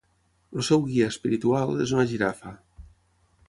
El seu guia espiritual és una Girafa.